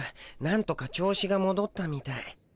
なんとか調子がもどったみたい。